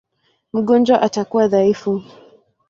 Mgonjwa atakuwa dhaifu.